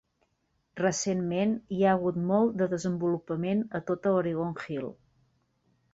Recentment, hi ha hagut molt de desenvolupament a tota Oregon Hill.